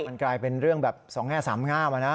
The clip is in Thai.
มันกลายเป็นเรื่องแบบ๒แห้ว๓ห้ามอะนะ